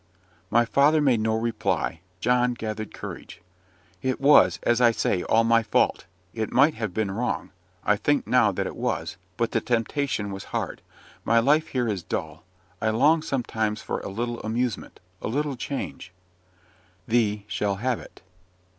My father made no reply; John gathered courage. "It was, as I say, all my fault. It might have been wrong I think now that it was but the temptation was hard. My life here is dull; I long sometimes for a little amusement a little change." "Thee shall have it."